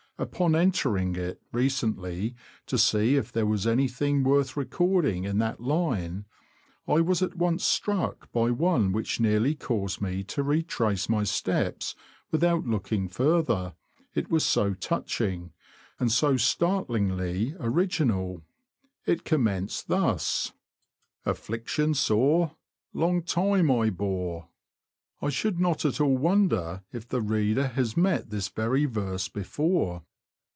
Upon entering it recently, to see if there was anything worth recording in that line, I was at once struck by one which nearly caused me to re trace my steps without looking further, it was so touching, and so startlingly original. It commenced thus : Affliction sore, long time I bore. 172 THE LAND OF THE BROADS. I should not at all wonder if the reader has met this very verse before.